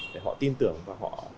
để họ tin tưởng và họ